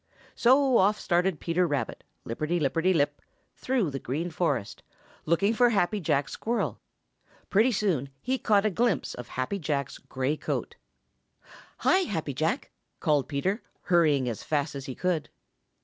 So off started Peter Rabbit, lipperty lipperty lip, through the Green Forest, looking for Happy Jack Squirrel. Pretty soon he caught a glimpse of Happy Jack's gray coat. "Hi, Happy Jack!" called Peter, hurrying as fast as he could.